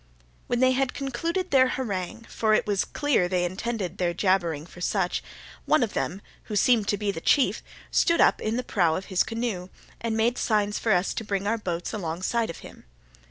When they had concluded their harangue (for it was clear they intended their jabbering for such), one of them who seemed to be the chief stood up in the prow of his canoe, and made signs for us to bring our boats alongside of him.